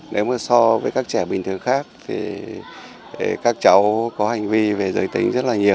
nếu mà so với các trẻ bình thường khác thì các cháu có hành vi về giới tính